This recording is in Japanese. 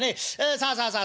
さあさあさあさあ